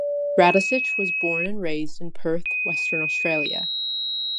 Radisich was born and raised in Perth, Western Australia.